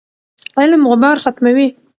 علم غبار ختموي.